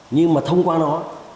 nhưng mà thông qua nó